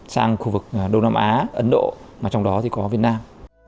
sang khu vực đông nam á ấn độ mà trong đó thì có việt nam